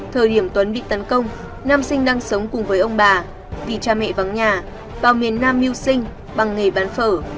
thời điểm tuấn bị tấn công nam sinh đang sống cùng với ông bà vì cha mẹ vắng nhà vào miền nam mưu sinh bằng nghề bán phở